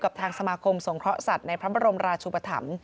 ทางสมาคมสงเคราะห์สัตว์ในพระบรมราชุปธรรม